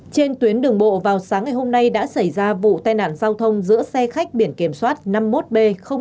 trên tuyến đường bộ vào sáng ngày hôm nay đã xảy ra vụ tai nạn giao thông giữa xe khách biển kiểm soát năm mươi một b bảy nghìn ba trăm năm mươi bốn